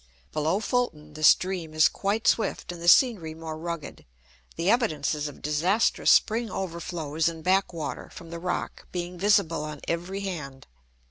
Below Fulton, the stream is quite swift and the scenery more rugged, the evidences of disastrous spring overflows and back water from the Rock being visible on every hand.